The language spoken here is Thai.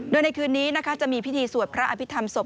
โดยในคืนนี้นะคะจะมีพิธีสวดพระอภิษฐรรมศพ